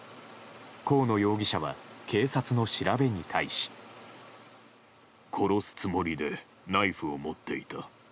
河野容疑者は警察の調べに対し。殺すつもりでナイフを持っていた。